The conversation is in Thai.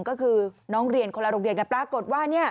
ก็คือน้องเรียนคนละโรงเรียนกันปรากฏว่า